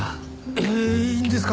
えーいいんですか？